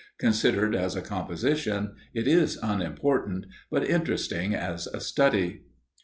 Considered as a composition, it is unimportant, but interesting as a study.